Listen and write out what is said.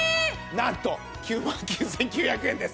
なんと９万９９００円です。